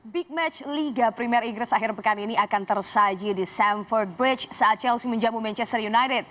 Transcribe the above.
big match liga primer inggris akhir pekan ini akan tersaji di samford bridge saat chelsea menjamu manchester united